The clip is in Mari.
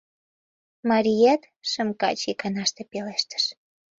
— Мариет?! — шым каче иканаште пелештыш.